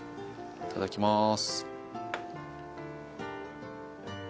いただきます。